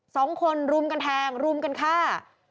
คนรุมกันแทงรุมกันฆ่า